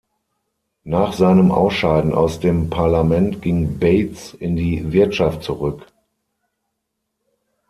Nach seinem Ausscheiden aus dem Parlament ging Bates in die Wirtschaft zurück.